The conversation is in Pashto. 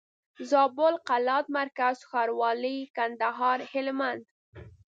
زابل قلات مرکز ښاروالي کندهار هلمند